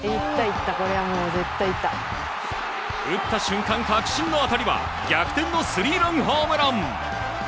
打った瞬間確信の当たりは逆転のスリーランホームラン。